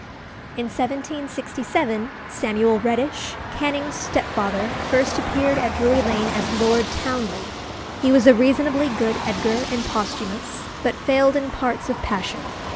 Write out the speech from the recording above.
In 1767 Samuel Reddish, Canning's stepfather, first appeared at Drury Lane as Lord Townley. He was a reasonably good Edgar and Posthumus, but failed in parts of passion.